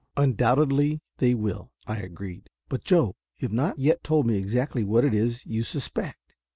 "Undoubtedly they will," I agreed. "But, Joe, you have not yet told me exactly what it is that you suspect.